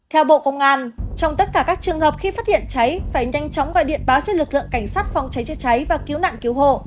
theo bộ công an trong tất cả các trường hợp khi phát hiện cháy phải nhanh chóng gọi điện báo cho lực lượng cảnh sát phòng cháy chữa cháy và cứu nạn cứu hộ